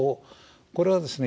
これはですね